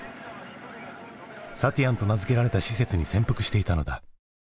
サティアンと名付けられた施設に潜伏していたのだ。